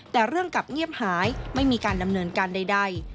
แต่เรื่องกลับเงียบหายไม่มีการดำเนินการใด